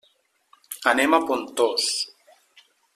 Anem a Pontós.